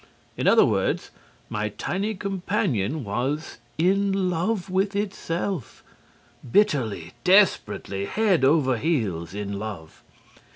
In other words, my tiny companion was in love with itself, bitterly, desperately, head over heels in love.